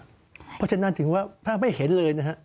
เพราะฉะนั้นถึงว่าภาพไม่เห็นเลยนะฮะ